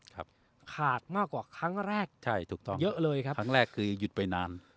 ขาดมากกว่าครั้งแรกใช่ถูกต้องเยอะเลยครับครั้งแรกคือหยุดไปนาน